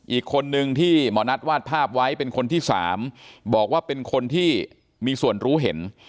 อีกคนนึงที่หมอนัทวาดภาพไว้เป็นคนที่๓บอกว่าเป็นคนที่มีส่วนรู้เห็น